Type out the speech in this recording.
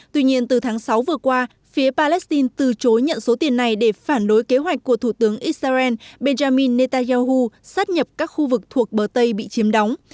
tuy nhiên từ tháng sáu vừa qua phía palestine từ chối nhận số tiền này để phản đối kế hoạch của thủ tướng israel benjamin netanyahu sát nhập các khu vực thuộc bờ tây bị chiếm đóng